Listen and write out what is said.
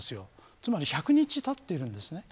つまり１００日たっているんです。